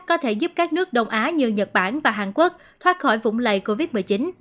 có thể giúp các nước đông á như nhật bản và hàn quốc thoát khỏi vũng lầy covid một mươi chín